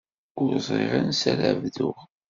Ur ẓriɣ ansi ara d-bduɣ.